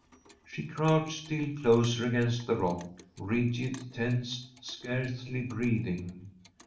She crouched still closer against the rock, rigid, tense, scarcely breathing.